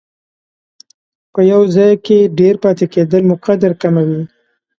په یو ځای کې ډېر پاتې کېدل مو قدر کموي.